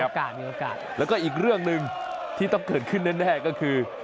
มีโอกาสแล้วก็อีกเรื่องหนึ่งที่ต้องเกิดขึ้นแน่ก็คือ